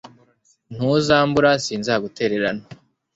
ntuzambura, sinzagutererana